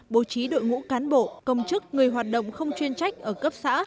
bố trí đội ngũ cán bộ công chức người hoạt động không chuyên trách ở cấp xã